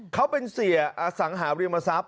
เขาเป็นเสียอสังหาริมทรัพย